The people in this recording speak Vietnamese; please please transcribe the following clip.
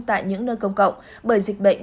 tại những nơi công cộng bởi dịch bệnh